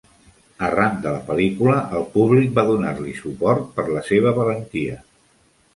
Arran de la pel·lícula, el públic va donar-li suport per la seva valentia.